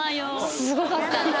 すごかった。